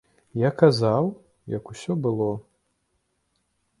Я казаў, як усё было.